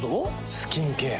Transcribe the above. スキンケア。